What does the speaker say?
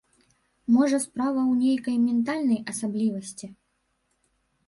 Можа, справа ў нейкай ментальнай асаблівасці?